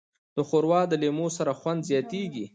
ښوروا د لیمو سره خوند زیاتیږي.